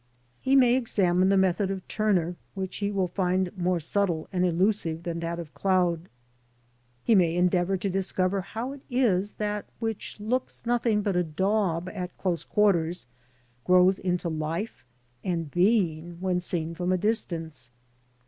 He may examine the method of Turner, which he will find more subtle and elusive than that of Claude. He may endeavour to discover how it is that that which looks nothing but a daub at close quarters, grows into life and being when seen from a distance.